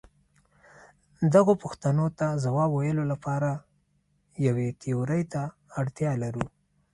دغو پوښتنو ته ځواب ویلو لپاره یوې تیورۍ ته اړتیا لرو.